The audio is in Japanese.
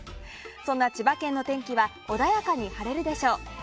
そんな千葉県の天気は穏やかに晴れるでしょう。